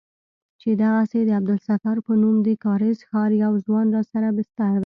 چې دغسې د عبدالستار په نوم د کارېز ښار يو ځوان راسره بستر دى.